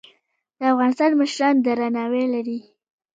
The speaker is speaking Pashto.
د افغانستان مشران درناوی لري